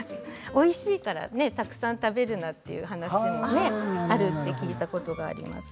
おいしいから、たくさん食べるなという話も聞いたことがあります。